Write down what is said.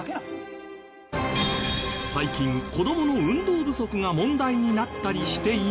最近子どもの運動不足が問題になったりしていますが。